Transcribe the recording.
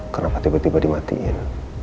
kenapa tiba tiba dimatiin